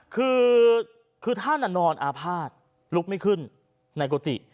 คือท่านนอนอาภาษณ์ลุกไม่ขึ้นในกุฏิ